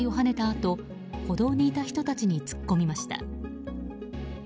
あと歩道にいた人たちに突っ込みました。